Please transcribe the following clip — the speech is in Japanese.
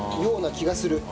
気がする。